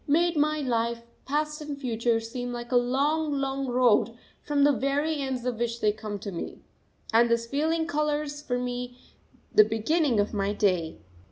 _ made my life, past and future, seem like a long, long road, from the very ends of which they come to me. And this feeling colours for me the beginning of my day.